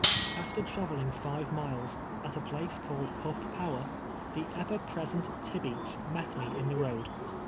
After traveling five miles, at a place called Ilufl" Power, the ever present Tibe ats met me in the road.